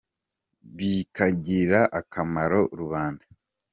bikagirira akamaro rubanda.